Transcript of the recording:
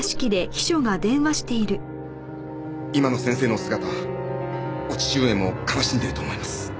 今の先生のお姿お父上も悲しんでいると思います。